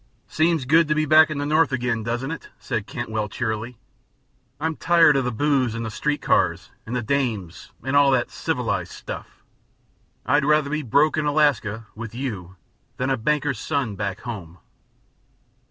"Seems good to be back in the North again, doesn't it?" said Cantwell, cheerily. "I'm tired of the booze, and the street cars, and the dames, and all that civilized stuff. I'd rather be broke in Alaska with you than a banker's son, back home."